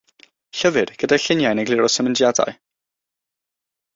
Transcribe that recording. Llyfr gyda lluniau yn egluro'r symudiadau.